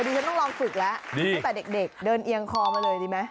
ฉันต้องลองฝึกแล้วตั้งแต่เด็กเดินเอียงคอมาเลยดีไหม